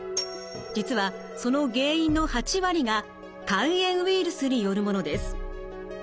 実はその原因の８割が肝炎ウイルスによるものです。